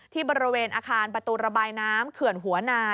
ที่บริเวณอาคารประตูระบายน้ำเขื่อนหัวนา